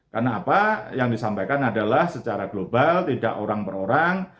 karena apa yang disampaikan adalah secara global tidak orang per orang